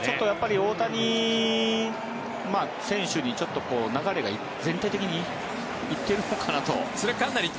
大谷選手がちょっと流れが全体的に行っているのかなと。